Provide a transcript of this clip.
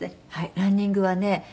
ランニングはね